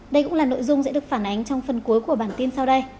đây cũng là nội dung sẽ được phản ánh trong phần cuối của bản tin sau đây